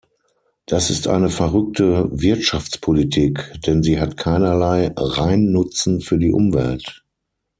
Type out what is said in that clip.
Das ist eine verrückte Wirtschaftspolitik, denn sie hat keinerlei Reinnutzen für die Umwelt.